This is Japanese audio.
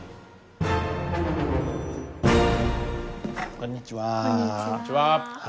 こんにちは。